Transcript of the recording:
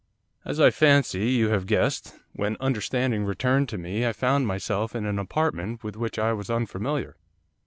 'As, I fancy, you have guessed, when understanding returned to me, I found myself in an apartment with which I was unfamiliar.